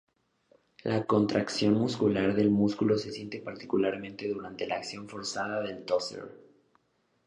La contracción muscular del músculo se siente particularmente durante la acción forzada del toser.